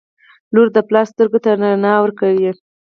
• لور د پلار سترګو ته رڼا ورکوي.